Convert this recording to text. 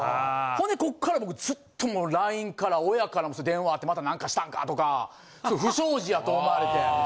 ほんでこっから僕ずっともうＬＩＮＥから親から電話あって「また何かしたんか」とか不祥事やと思われて。